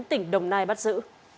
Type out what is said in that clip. tỉnh đồng nai bắt giữ